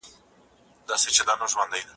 هغه ډیر هوسا دي چي په یارپسي تر غرو اوړي